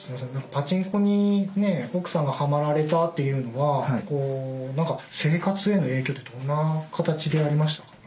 パチンコにね奥さんがはまられたというのはこう何か生活への影響ってどんな形でありましたかね？